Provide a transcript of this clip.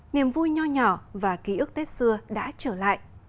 niềm vui nhỏ nhỏ và ký ức tết xưa đã trở lại